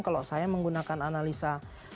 kalau saya menggunakan analisa